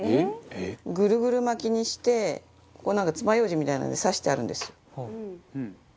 ぐるぐる巻きにしてここを、なんかつまようじみたいなので刺してあるんですよ。